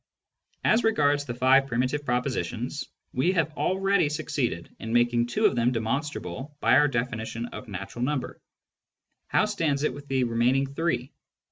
As regards the five primitive propositions, we have already succeeded in making two of them demonstrable by our definition of " natural number." How stands it with the remaining three